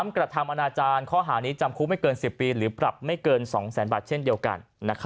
กระทำอนาจารย์ข้อหานี้จำคุกไม่เกิน๑๐ปีหรือปรับไม่เกิน๒แสนบาทเช่นเดียวกัน